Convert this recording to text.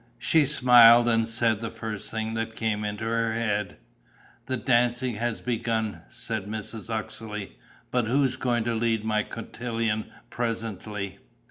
She smiled and said the first thing that came into her head. "The dancing has begun," said Mrs. Uxeley. "But who's going to lead my cotillon presently?"